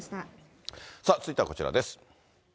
続いてはこちらです。